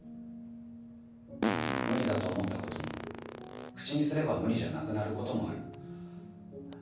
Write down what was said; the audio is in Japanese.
無理だと思ったことも口にすれば無理じゃなくなることもある。